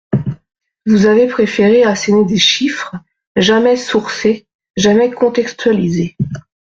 Vous avez préféré asséner des chiffres, jamais « sourcés », jamais contextualisés.